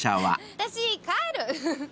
私帰る。